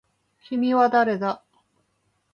君は誰だ